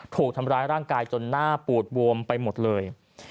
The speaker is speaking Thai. ถูกทำร้ายร่างกายจนหน้าปูดบวมไปหมดเลย